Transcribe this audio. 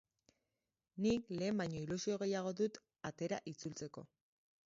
Nik lehen baino ilusioa gehiago dut atera itzultzeko.